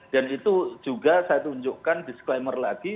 dan itu juga saya tunjukkan disclaimer lagi